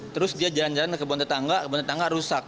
terus dia jalan jalan ke kebun tetangga kebun tetangga rusak